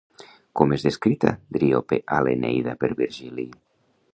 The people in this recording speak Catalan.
Com és descrita Driope a l'Eneida per Virgili?